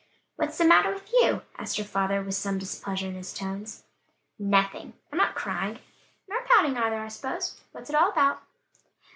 "What's the matter with you?" asked her father, with some displeasure in his tones. "Nothing, I'm not crying." "Nor pouting either, I suppose? What's it all about."